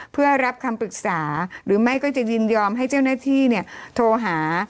เพื่อรับคำปรึกษาหรือไม่ก็จะยินยอมให้เจ้าหน้าที่โทรหา